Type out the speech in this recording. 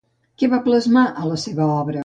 Què va plasmar a la seva obra?